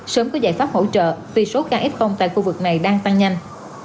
sớm có giải pháp hỗ trợ vì số kf tại khu vực này đang tăng nhanh